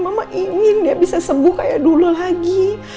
mama ingin dia bisa sembuh kayak dulu lagi